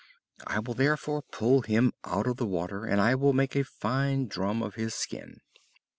I will therefore pull him out of the water, and I will make a fine drum of his skin."